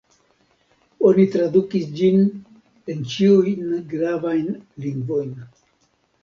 Oni tradukis ĝin en ĉiujn gravajn lingvojn.